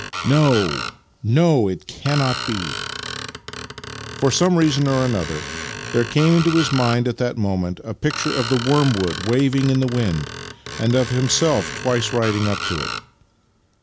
No, no, it cannot be! " Master and Man 55 For some reason or another there came into his mind at that moment a picture of the wormwood waving in the wind, and of himself twice riding up to it.